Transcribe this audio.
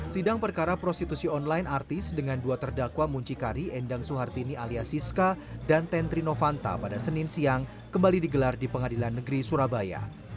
sidang perkara prostitusi online artis dengan dua terdakwa muncikari endang suhartini alias siska dan tentri novanta pada senin siang kembali digelar di pengadilan negeri surabaya